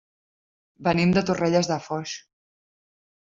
Venim de Torrelles de Foix.